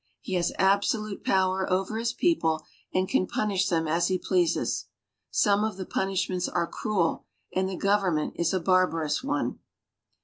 He has absolute power over his people and can punish them as he pleases. Some of the punishments are cruel, and the government is a barbarous one.